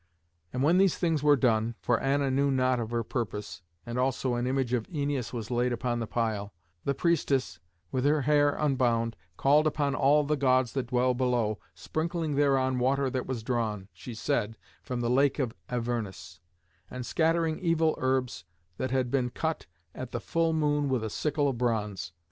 And when these things were done for Anna knew not of her purpose and also an image of Æneas was laid upon the pile, the priestess, with her hair unbound, called upon all the gods that dwell below, sprinkling thereon water that was drawn, she said, from the lake of Avernus, and scattering evil herbs that had been cut at the full moon with a sickle of bronze.